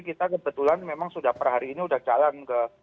kita kebetulan memang sudah per hari ini sudah jalan ke